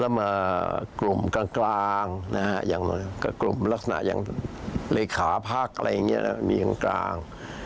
แล้วมากลุ่มกลางนะฮะอย่างกลุ่มลักษณะอย่างเลขาพักอะไรอย่างนี้มีกลาง